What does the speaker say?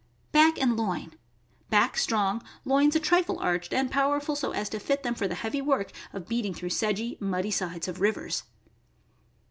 Back and loin. — Back strong; loins a trifle arched, and powerful, so as to fit them for the heavy work of beating through sedgy, muddy sides of rivers.